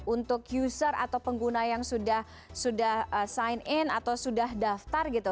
untuk user atau pengguna yang sudah sign in atau sudah daftar gitu